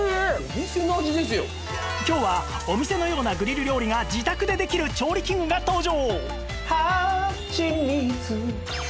今日はお店のようなグリル料理が自宅でできる調理器具が登場